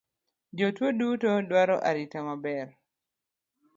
Jotuo duto dwaro arita maber